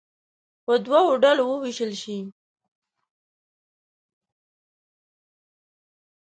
په دوو ډلو ووېشل شي.